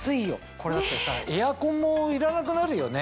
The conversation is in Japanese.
これだってさエアコンもいらなくなるよね。